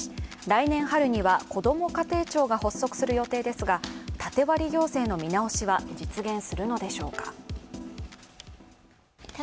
来年春にはこども家庭庁が発足する予定ですが縦割り行政の見直しは実現するのでしょうか？